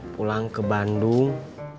pulang ke bandung